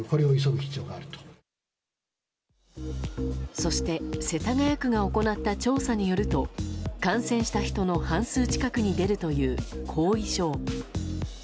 そして、世田谷区が行った調査によると感染した人の半数近くに出るという、後遺症。